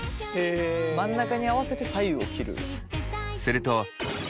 真ん中に合わせて左右を切る。